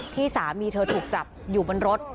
ที่สามีเธอถูกจับอยู่บนรถ